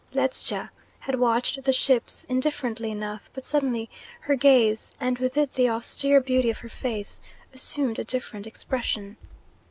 Ledscha had watched the ships indifferently enough, but suddenly her gaze and with it the austere beauty of her face assumed a different expression.